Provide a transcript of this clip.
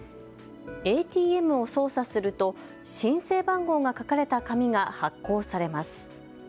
ＡＴＭを操作すると申請番号が書かれた紙が発行されます。